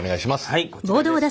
はいこちらです。